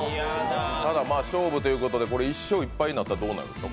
ただ、勝負ということで１勝１敗になったらどうなるんですか？